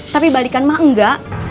tapi balikan mah enggak